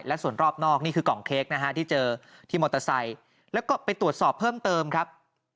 และส่วนรอบนอกนี่คือกล่องเค้กนะฮะที่เจอที่มอเตอร์ไซค์แล้วก็ไปตรวจสอบเพิ่มเติมครับ